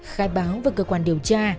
khai báo và cơ quan điều tra